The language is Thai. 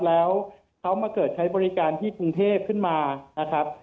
แล้วเขามาเกิดใช้บริการที่กรุงเทพขึ้นมานะครับ